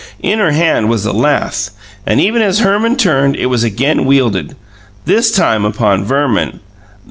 In her hand was a lath, and, even as Herman turned, it was again wielded, this time upon Verman.